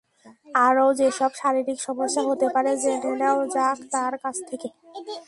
আরও যেসব শারীরিক সমস্যা হতে পারে জেনে নেওয়া যাক তাঁর কাছ থেকে।